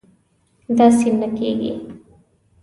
داسې نه کېږي